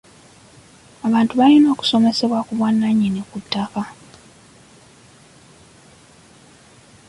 Abantu balina okusomesebwa ku bwannannyini ku ttaka.